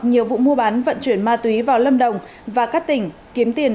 nhiều vụ mua bán vận chuyển ma túy vào lâm đồng và các tỉnh kiếm tiền